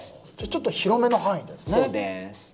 ちょっと広めの範囲ですね。